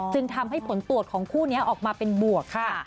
จึงทำให้ผลตรวจของคู่นี้ออกมาเป็นบวกค่ะ